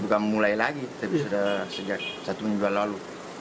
sudah mulai lagi tapi sudah sejak satu minggu lalu